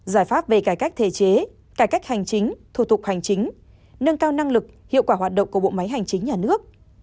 giải pháp về cải cách thể chế cải cách hành chính thủ tục hành chính nâng cao năng lực hiệu quả hoạt động của bộ máy hành chính nhà nước